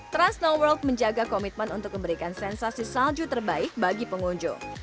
transnoworld menjaga komitmen untuk memberikan sensasi salju terbaik bagi pengunjung